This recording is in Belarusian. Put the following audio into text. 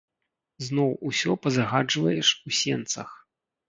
Зноў усё пазагаджваеш у сенцах.